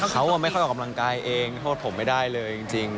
เขาไม่ค่อยออกกำลังกายเองโทษผมไม่ได้เลยจริง